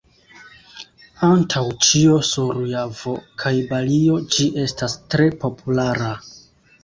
Antaŭ ĉio sur Javo kaj Balio ĝi estas tre populara.